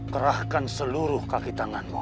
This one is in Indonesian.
kerahkan seluruh kaki tanganmu